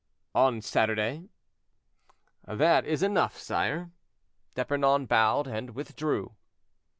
"On Saturday." "That is enough, sire." D'Epernon bowed and withdrew.